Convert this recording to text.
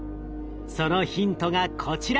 そのヒントがこちら！